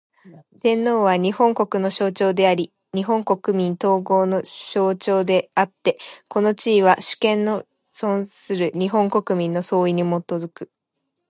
天皇は、日本国の象徴であり日本国民統合の象徴であつて、この地位は、主権の存する日本国民の総意に基く。